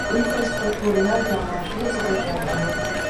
Infrastruktūra jāatjauno piecu gadu laikā.